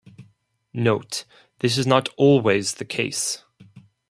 Note this is not always the case.